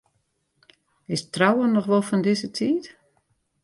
Is trouwen noch wol fan dizze tiid?